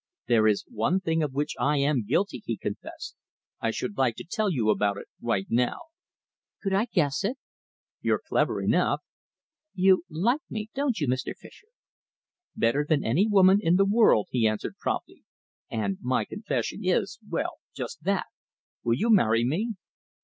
"There is one thing of which I am guilty," he confessed. "I should like to tell you about it right now." "Could I guess it?" "You're clever enough." "You like me, don't you, Mr. Fischer?" "Better than any woman in the world," he answered promptly. "And my confession is well, just that. Will you marry me?"